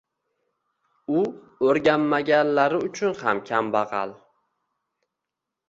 U oʻrganmaganlari uchun ham kambagʻal